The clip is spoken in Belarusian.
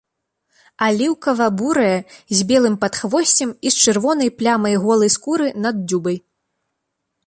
Аліўкава-бурая з белым падхвосцем і з чырвонай плямай голай скуры над дзюбай.